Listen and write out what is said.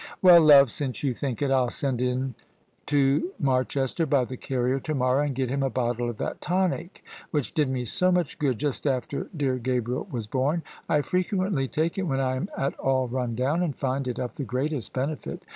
" Well, love, since you think it, FU send in to Merchester by the carrier to morrow, and get him a bottle of that tonic which did me so much good just after dear Gabriel was bom. I frequently take it when I am at all run down, and find it of the greatest benefit.